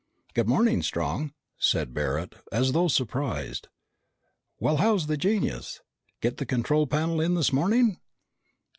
"Good morning, Strong," said Barret, as though surprised. "Well, how's the genius? Get the control panel in this morning?"